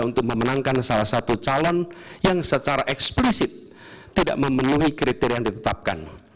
untuk memenangkan salah satu calon yang secara eksplisit tidak memenuhi kriteria yang ditetapkan